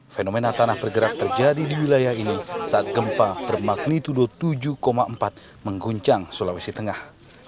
fenomena tanah bergerak terjadi di wilayah ini saat gempa bermagnitudo tujuh empat mengguncang sulawesi tengah